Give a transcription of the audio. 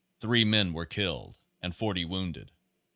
Three men were killed and forty wounded.